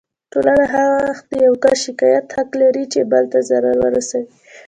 ټولنه هغه وخت د يو کس شکايت حق لري چې بل ته ضرر ورسوي.